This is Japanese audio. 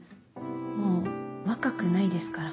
もう若くないですから。